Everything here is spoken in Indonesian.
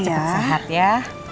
cepat sehat ya